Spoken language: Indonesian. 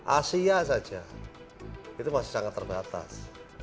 asia saja itu masih sangat terbatas